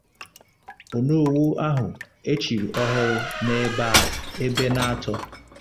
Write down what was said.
Onowu ahụ e chiri ọhụrụ n'Ebenator